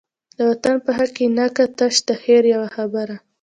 د وطن په حق کی نه کا، تش د خیر یوه خبره